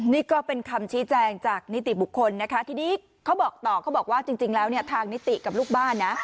นี่ก็เป็นคำชี้แจงจากนิติบุคคลนะคะทีนี้เขาบอกต่อเขาบอกว่าจริงแล้วเนี่ยทางนิติกับลูกบ้านนะ